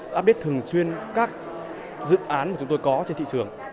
update thường xuyên các dự án mà chúng tôi có trên thị trường